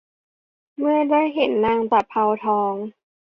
เมื่อได้เห็นนางตะเภาทอง